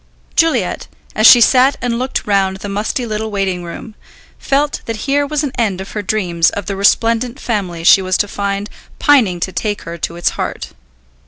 Juliet, as she sat and looked round the musty little waiting room, felt that here was an end of her dreams of the resplendent family she was to find pining to take her to its heart.